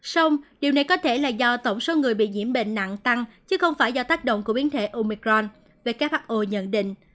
xong điều này có thể là do tổng số người bị nhiễm bệnh nặng tăng chứ không phải do tác động của biến thể omicron who nhận định